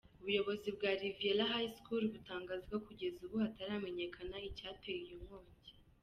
Ubuyobozi bwa Riviera High School butangaza ko kugeza ubu hataramenyekana icyateye iyo nkongi.